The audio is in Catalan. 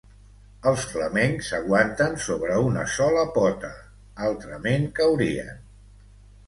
Els flamencs s'aguanten sobre una sola pota, altrament, caurien.